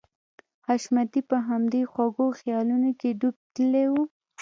حشمتي په همدې خوږو خيالونو کې ډوب تللی و.